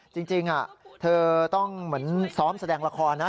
จริงเธอต้องเหมือนซ้อมแสดงละครนะ